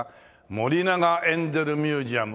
森永エンゼルミュージアム